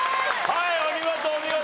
はいお見事お見事！